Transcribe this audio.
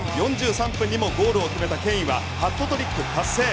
後半４３分にもゴールを決めたハリー・ケインはハットトリック達成。